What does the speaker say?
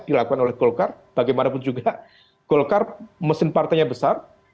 dilakukan oleh golkar bagaimanapun juga golkar mesin partainya besar